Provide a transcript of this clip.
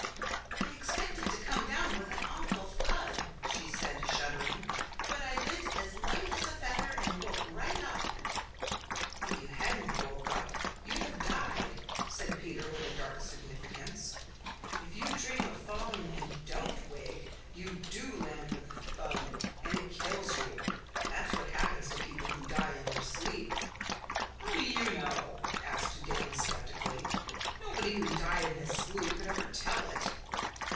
"I expected to come down with an awful thud," she said shuddering, "but I lit as light as a feather and woke right up." "If you hadn't woke up you'd have died," said Peter with a dark significance. "If you dream of falling and DON'T wake you DO land with a thud and it kills you. That's what happens to people who die in their sleep." "How do you know?" asked Dan skeptically. "Nobody who died in his sleep could ever tell it."